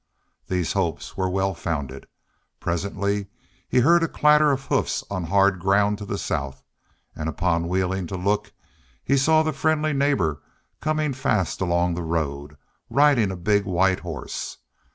These hopes were well founded. Presently he heard a clatter of hoofs on hard ground to the south, and upon wheeling to look he saw the friendly neighbor coming fast along the road, riding a big white horse.